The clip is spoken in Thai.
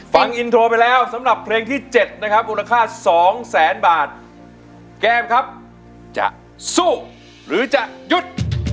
ฟังอินโทรไปแล้วสำหรับเพลงที่เจ็ดนะครับมูลค่าสองแสนบาทแก้มครับจะสู้หรือจะหยุด